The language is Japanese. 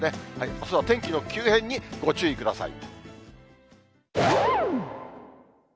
あすは天気の急変にご注意ください。